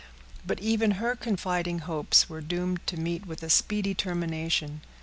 But even her confiding hopes were doomed to meet with a speedy termination.